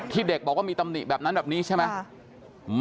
เด็กบอกว่ามีตำหนิแบบนั้นแบบนี้ใช่ไหม